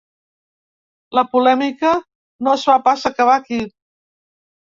La polèmica no es va pas acabar aquí.